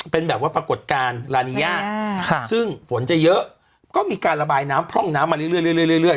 เป็นแบบว่าปรากฏการณ์ลานิยาค่ะซึ่งฝนจะเยอะก็มีการระบายน้ำพร่องน้ำมาเรื่อยเรื่อยเรื่อยเรื่อยเรื่อย